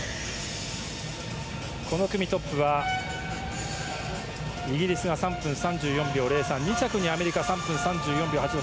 この組トップはイギリスが３分３４秒０３２着にアメリカ３分３４秒８０。